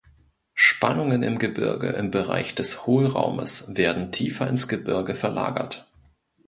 Spannungen im Gebirge im Bereich des Hohlraumes werden tiefer ins Gebirge verlagert.